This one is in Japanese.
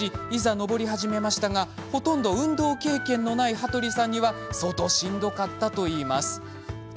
登り始めましたがほとんど運動経験のない羽鳥さんには相当しんどかったといいます。